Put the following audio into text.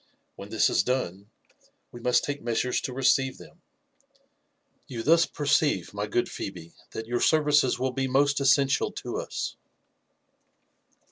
When this is done, we must take measures to receive them. You thus per ceive, my good Phebe, that your services will be most essentia to us."